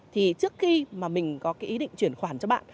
thì trước khi mà mình có cái ý định chuyển khoản cho bạn